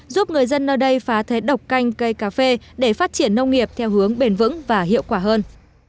giúp người dân nơi đây phá thế độc canh cây cà phê để phát triển nông nghiệp theo hướng bền vững và hiệu quả hơn